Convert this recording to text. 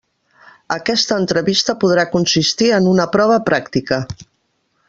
Aquesta entrevista podrà consistir en una prova pràctica.